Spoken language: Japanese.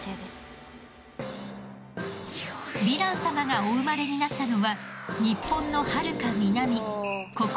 ヴィラン様がお生まれになったのは日本のはるか南